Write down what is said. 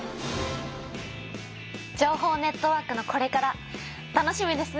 情報ネットワークのこれから楽しみですね。